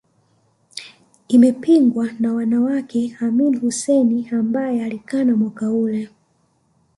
Imepingwa na mwanawe Amin Hussein ambae alikana mwaka ule